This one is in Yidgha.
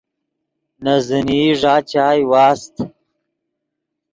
نے زینئی ݱا چائے واست